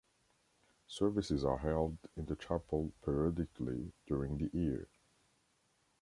Services are held in the chapel periodically during the year.